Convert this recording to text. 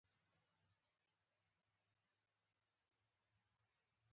په شکر او غوړو کې اعتدال وساته.